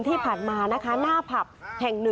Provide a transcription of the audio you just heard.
ที่ผ่านมานะคะหน้าผับแห่ง๑